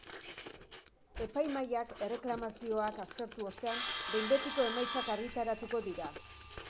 Epaimahaiak erreklamazioak aztertu ostean, behin-betiko emaitzak argitaratuko dira.